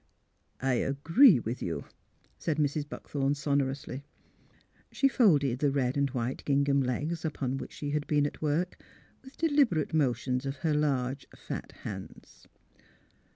'' I agree with you," said Mrs. Buckthorn, sonorously. She folded the red and white gingham legs, upon which she had been at work, with deliberate motions of her large, fat hands.